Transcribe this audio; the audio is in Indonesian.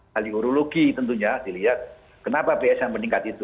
kali urologi tentunya dilihat kenapa psa meningkat itu